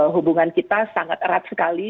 hubungan kita sangat erat sekali